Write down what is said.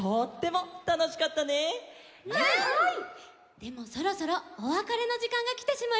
でもそろそろおわかれのじかんがきてしまいました。